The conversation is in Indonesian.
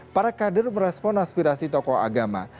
para kader merespon aspirasi tokoh agama